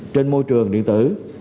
trên môi trường điện tử